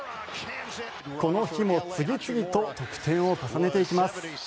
この日も次々と得点を重ねていきます。